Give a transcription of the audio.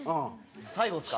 最後ですか？